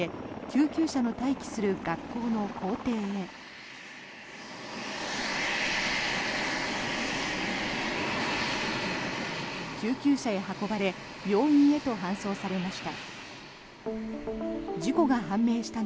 救急車へ運ばれ病院へと搬送されました。